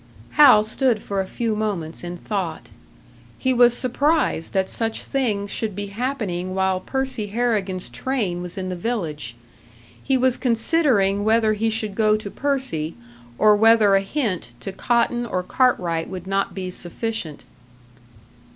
Hal stood for a few moments in thought. He was surprised that such things should be happening while Percy Harrigan's train was in the village. He was considering whether he should go to Percy, or whether a hint to Cotton or Cartwright would not be sufficient.